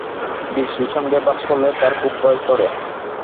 বৃষ্টির সঙ্গে বাজ পড়লে তার খুব ভয় করে।